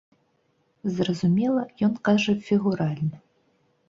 Зразумела, ён кажа фігуральна.